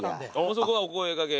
そこはお声掛け。